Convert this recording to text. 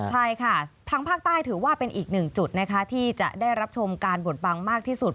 ใช่ค่ะทางภาคใต้ถือว่าเป็นอีกหนึ่งจุดนะคะที่จะได้รับชมการบดบังมากที่สุด